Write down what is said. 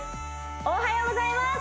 おはようございます！